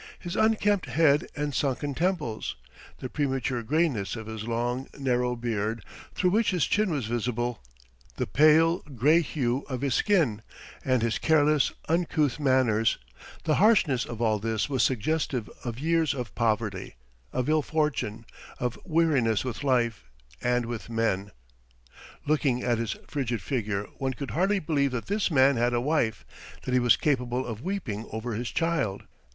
His unkempt head and sunken temples, the premature greyness of his long, narrow beard through which his chin was visible, the pale grey hue of his skin and his careless, uncouth manners the harshness of all this was suggestive of years of poverty, of ill fortune, of weariness with life and with men. Looking at his frigid figure one could hardly believe that this man had a wife, that he was capable of weeping over his child.